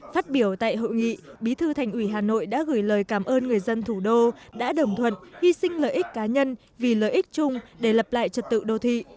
phát biểu tại hội nghị bí thư thành ủy hà nội đã gửi lời cảm ơn người dân thủ đô đã đồng thuận hy sinh lợi ích cá nhân vì lợi ích chung để lập lại trật tự đô thị